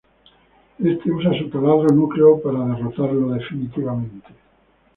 Éste usa su Taladro Núcleo para derrotarlo definitivamente.